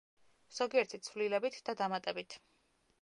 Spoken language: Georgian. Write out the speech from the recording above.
ზოგიერთი ცვლილებით და დამატებით.